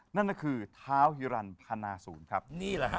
นั่นก็คือท้าวฮิรันพนาศูนย์ครับนี่แหละฮะ